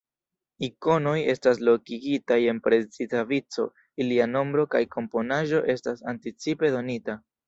Ikonoj estas lokigitaj en preciza vico, ilia nombro kaj komponaĵo estas anticipe donita.